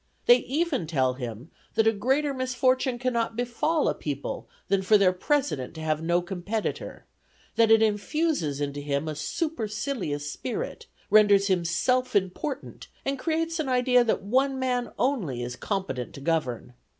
They even tell him that a greater misfortune cannot befall a people than for their President to have no competitor; that it infuses into him a supercilious spirit, renders him self important, and creates an idea that one man only is competent to govern.